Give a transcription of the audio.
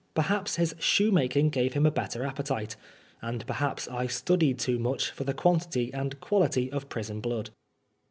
Perhaps his shoemaking gave him a better appetite ; and perhaps I studied too much for the quantity and quality of prison blood.